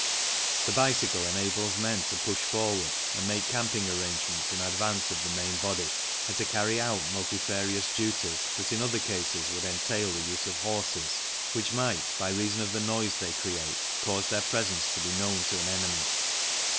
The bicycle enables men to push forward and make camping arrangements in advance of the main body, and to carry out multifarious duties that in other cases would entail the use of horses which might, by reason of the noise they create, cause their presence to be known to an enemy.